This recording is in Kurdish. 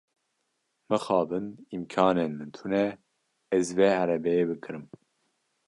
Mixabin, îmkanên min tune ez vê erebeyê bikirim.